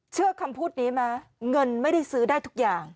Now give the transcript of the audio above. เชื่อคำพูดนี้ไหมเงินไม่ได้ซื้อได้ทุกอย่าง